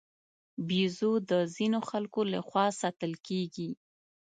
بیزو د ځینو خلکو له خوا ساتل کېږي.